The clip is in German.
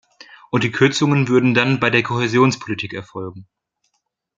Und die Kürzungen würden dann bei der Kohäsionspolitik erfolgen.